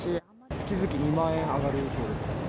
月々２万円上がるそうです。